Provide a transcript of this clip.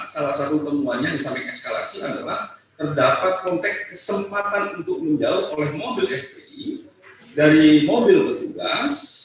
salah satu temuannya yang disampaikan eskalasi adalah terdapat konteks kesempatan untuk menjauh oleh mobil fpi dari mobil petugas